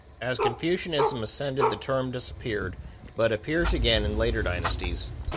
As Confucianism ascended the term disappeared, but appears again in later dynasties.